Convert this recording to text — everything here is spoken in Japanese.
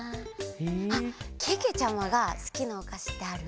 あっけけちゃまがすきなおかしってある？